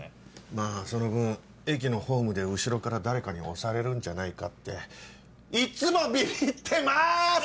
まぁその分駅のホームで後ろから誰かに押されるんじゃないかっていっつもビビってます！